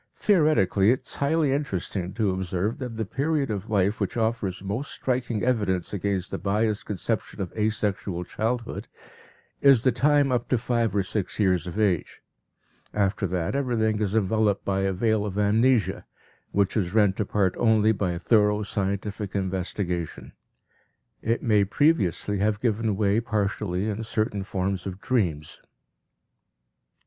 Theoretically it is highly interesting to observe that the period of life which offers most striking evidence against the biased conception of asexual childhood, is the time up to five or six years of age; after that everything is enveloped by a veil of amnesia, which is rent apart only by thorough scientific investigation; it may previously have given way partially in certain forms of dreams.